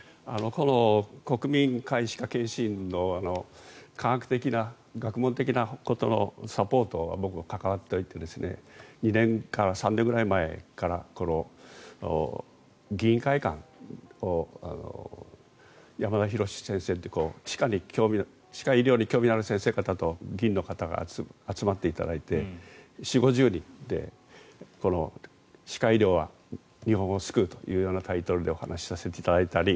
国民皆歯科検診の科学的な学問的なことのサポートに僕は関わっていて２年から３年前からこの議員会館でヤマダ・ヒロシ先生って歯科医療に興味のある先生方と議員の方が集まっていただいて４０５０人で歯科医療は日本を救うというタイトルでお話をさせていただいたり